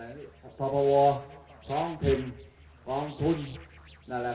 เมืองอัศวินธรรมดาคือสถานที่สุดท้ายของเมืองอัศวินธรรมดา